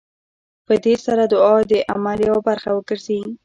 په دې سره دعا د عمل يوه برخه وګرځي.